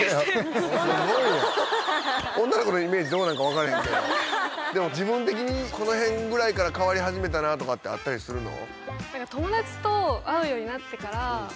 女の子のイメージどうなんかわからへんけどでも自分的にこの辺ぐらいから変わり始めたなとかってあったりするの？